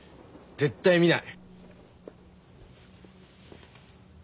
絶対見ない。